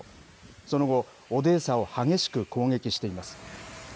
その後、オデーサを激しく攻撃しています。